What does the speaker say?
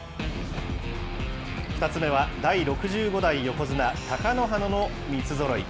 ２つ目は第６５代横綱・貴乃花の三つぞろい。